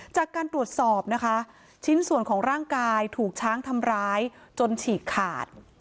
จากการตรวจสอบนะคะชิ้นส่วนของร่างกายถูกช้างทำร้ายจนฉีกขาด